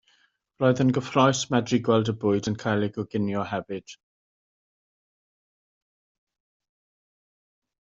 Roedd yn gyffrous medru gweld y bwyd yn cael ei goginio hefyd.